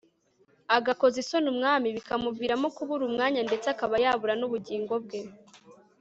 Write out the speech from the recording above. agakoza isoni umwami, bikamuviramo kubura umwanya ndetse akaba yabura n'ubugingo bwe